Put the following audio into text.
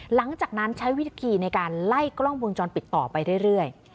หลังจากนั้นใช้วิธีในการไล่กล้องวงจรปิดต่อไปเรื่อย